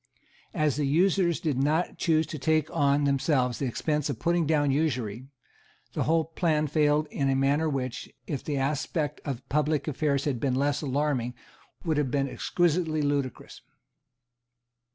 As the usurers did not choose to take on themselves the expense of putting down usury, the whole plan failed in a manner which, if the aspect of public affairs had been less alarming, would have been exquisitely ludicrous.